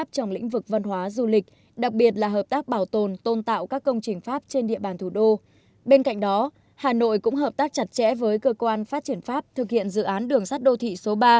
bên cạnh đó hà nội cũng hợp tác chặt chẽ với cơ quan phát triển pháp thực hiện dự án đường sắt đô thị số ba